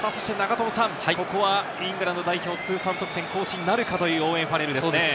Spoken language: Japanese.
ここはイングランド代表、通算得点更新になるかという、オーウェン・ファレルですね。